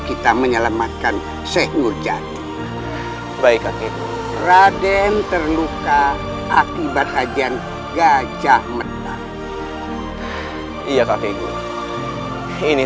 kita menyelamatkan syedur jati baik kakeku raden terluka akibat kajian gajah mertah ia kakek gini